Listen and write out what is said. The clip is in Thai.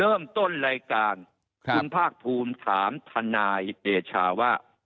เริ่มต้นรายการคุณภาคภูมิถามทนายเดชาว่า